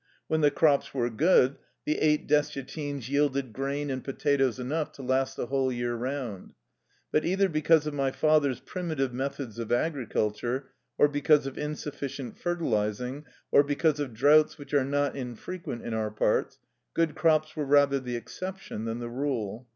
When the crops were good, the eight dessiatines yielded grain and potatoes enough to last the whole year round. But either because of my father's primitive methods of agriculture, or be cause of insufficient fertilizing, or because of droughts which are not infrequent in our parts, good crops were rather the exception than the rule.